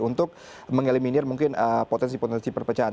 untuk mengeliminir mungkin potensi potensi perpecahan